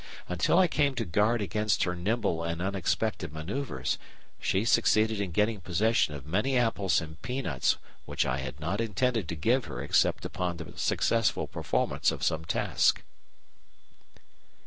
Until I came to guard against her nimble and unexpected manoeuvres, she succeeded in getting possession of many apples and peanuts which I had not intended to give her except upon the successful performance of some task."